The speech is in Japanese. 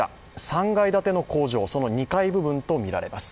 ３階建ての工場、その２階部分とみられます。